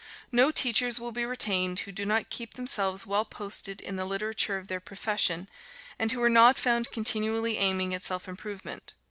No teachers will be retained who do not keep themselves well posted in the literature of their profession, and who are not found continually aiming at self improvement.